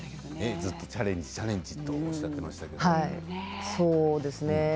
ずっとチャレンジチャレンジって言っていましたね。